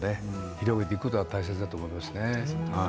広げていくのは大切だと思いますね。